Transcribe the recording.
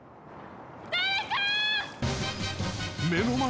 ・誰か！